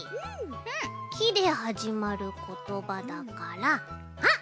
「き」ではじまることばだからあっ！